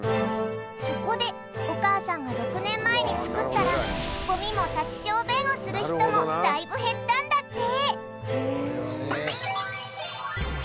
そこでおかあさんが６年前に作ったらゴミも立ち小便をする人もだいぶ減ったんだって！